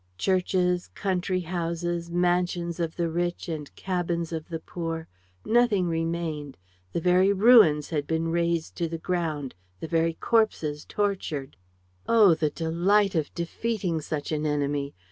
Churches, country houses, mansions of the rich and cabins of the poor: nothing remained. The very ruins had been razed to the ground, the very corpses tortured. O the delight of defeating such an enemy!